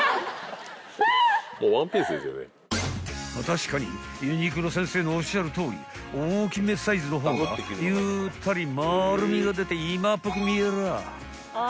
［確かにユニクロ先生のおっしゃるとおり大きめサイズの方がゆったり丸みが出て今っぽく見えらあ］